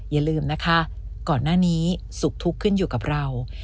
อย่าลืมนะคะก่อนหน้านี้สุขทุกข์ขึ้นอยู่กับเรา